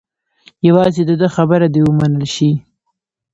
یوازې د ده خبره دې ومنل شي.